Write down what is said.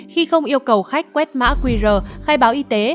khi không yêu cầu khách quét mã qr khai báo y tế